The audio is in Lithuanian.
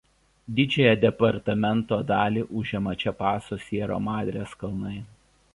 Didžiąją departamento dalį užima Čiapaso Siera Madrės kalnai.